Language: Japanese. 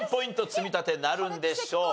積み立てなるんでしょうか？